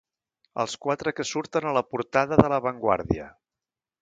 Els quatre que surten a la portada de La Vanguardia.